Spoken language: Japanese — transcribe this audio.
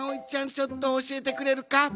ちょっとおしえてくれるか？